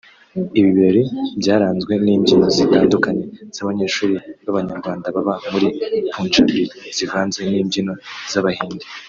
Ibi birori byaranzwe n’imbyino zitandukanye z’abanyeshuri b’abanyarwanda baba muri Punjab zivanze n’imbyino z’abahinde